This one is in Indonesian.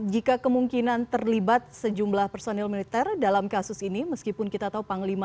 jika kemungkinan terlibat sejumlah persoalannya